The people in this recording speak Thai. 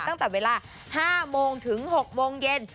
ตั้งแต่เวลา๕โมงถึง๖โมงเย็น